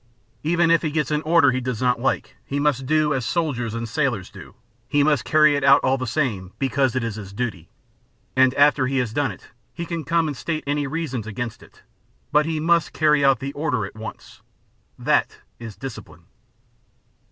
Even if he gets an order he does not like he must do as soldiers and sailors do, he must carry it out all the same because it is his duty; and after he has done it he can come and state any reasons against it : but he must carry out the order at once. That is discipline.